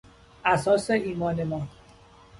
اساس ایمان ما